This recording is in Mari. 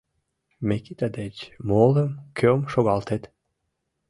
Микита деч молым кӧм шогалтет?